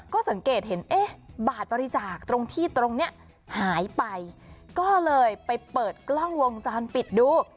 ก็สังเกตเห็นเอ๊ะบาทบริจาคตรงที่ตรงเนี้ยหายไปก็เลยไปเปิดกล้องวงจรปิดดู